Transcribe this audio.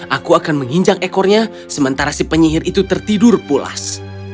aku akan menginjak ekornya sementara si penyihir itu tertidur pulas